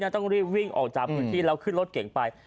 ต้องรีบวิ่งออกจากพื้นที่แล้วขึ้นรถเก่งไป